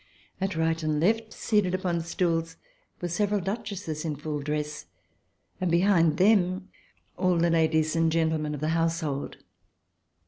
At right and left, seated upon stools, were several Duchesses in full dress, and behind them, all the ladies and gentlemen of the household.